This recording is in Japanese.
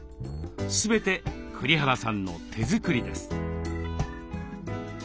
全て栗原さんの手作りです。